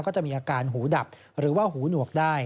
ก็จะมีอาการหูดับหรือว่าหูหนวกได้